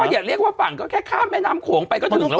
อย่าเรียกว่าฝั่งก็แค่ข้ามแม่น้ำโขงไปก็ถึงแล้ว